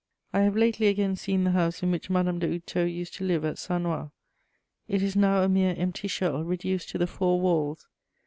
I have lately again seen the house in which Madame de Houdetot used to live at Sannois; it is now a mere empty shell, reduced to the four walls.